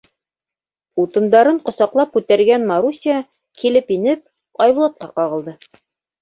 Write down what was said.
Утындарын ҡосаҡлап күтәргән Маруся, килеп инеп, Айбулатҡа ҡағылды.